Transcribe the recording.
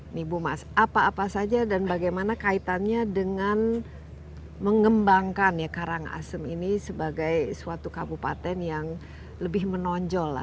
ini bu mas apa apa saja dan bagaimana kaitannya dengan mengembangkan ya karangasem ini sebagai suatu kabupaten yang lebih menonjol